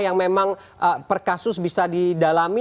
yang memang per kasus bisa didalami